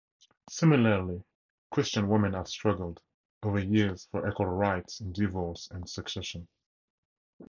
Similarly, Christian women have struggled over years for equal rights in divorce and succession.